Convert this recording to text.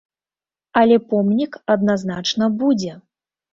Але помнік адназначна будзе.